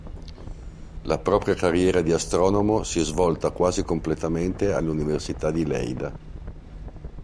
La propria carriera di astronomo si è svolta quasi completamente all'Università di Leida.